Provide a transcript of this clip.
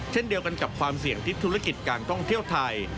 เช่นเดียวกันกับความเสี่ยงที่ธุรกิจการท่องเที่ยวไทย